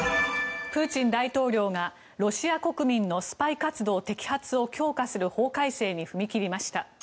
プーチン大統領がロシア国民のスパイ活動摘発を強化する法改正に踏み切りました。